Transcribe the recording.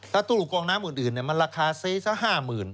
ถ้าตู้กองน้ำอื่นมันราคาเซสัก๕๐๐๐